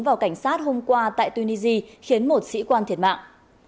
vào cảnh sát hôm qua tại tunisia khiến một sĩ quan thiệt mạng